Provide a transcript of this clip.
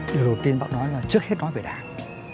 điều đầu tiên bác nói là trước hết nói về đảng